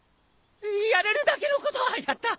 やれるだけのことはやった！